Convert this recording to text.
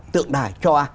tượng đài cho